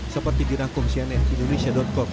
seperti dirangkum cnn indonesia com